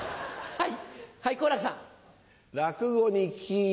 はい。